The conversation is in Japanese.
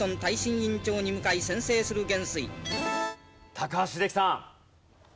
高橋英樹さん。